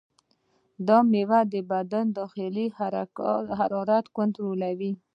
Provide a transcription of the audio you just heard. دا میوه د بدن د داخلي حرارت کنټرولوي.